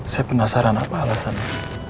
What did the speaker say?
saya penasaran apa alasannya